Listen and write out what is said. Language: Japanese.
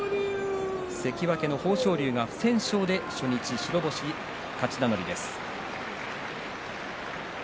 関脇の豊昇龍が不戦勝で初日白星、勝ち名乗りです。